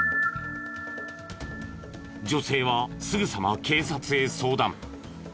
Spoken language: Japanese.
女性はすぐさま警察へ相談。